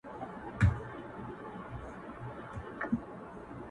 هغه خپل مخ مخامخ لمر ته کړي و ماته گوري”